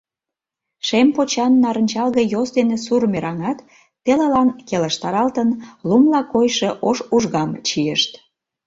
Шем почан нарынчалге йос ден сур мераҥат, телылан келыштаралтын, лумла койшо ош ужгам чийышт.